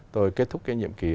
tôi kết thúc cái nhiệm kỳ